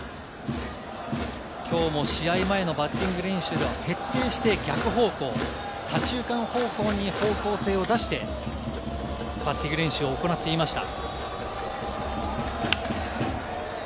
きょうも試合前のバッティング練習では、徹底して逆方向、左中間方向に方向性を出して、バッティング練習を行っていました。